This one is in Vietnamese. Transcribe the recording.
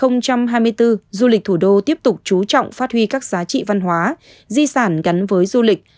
năm hai nghìn hai mươi bốn du lịch thủ đô tiếp tục chú trọng phát huy các giá trị văn hóa di sản gắn với du lịch